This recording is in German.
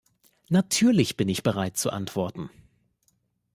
Natürlich bin ich bereit, zu antworten.